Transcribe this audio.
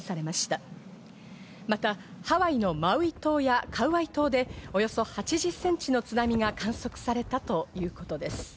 またハワイのマウイ島やカウアイ島で、およそ８０センチの津波が観測されたということです。